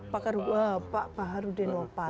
pak haru denopa